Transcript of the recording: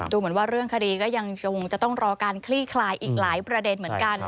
ดูเหมือนว่าเรื่องคดีก็ยังจะต้องรอการคลี่คลายอีกหลายประเด็นเหมือนกัน